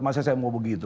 masih saya mau begitu